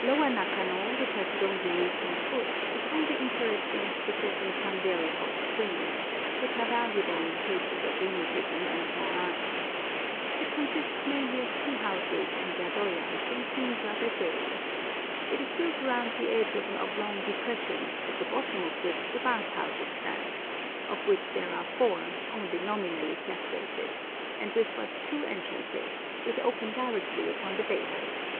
Lower Nakano, which I could only reach on foot, is only interesting as possessing some very hot springs, which are valuable in cases of rheumatism and sore eyes. It consists mainly of tea houses and yadoyas, and seemed rather gay. It is built round the edge of an oblong depression, at the bottom of which the bath houses stand, of which there are four, only nominally separated, and with but two entrances, which open directly upon the bathers.